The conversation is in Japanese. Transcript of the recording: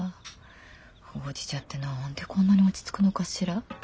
ほうじ茶って何でこんなに落ち着くのかしら。